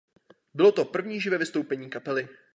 Bylo to první živé vystoupení kapely.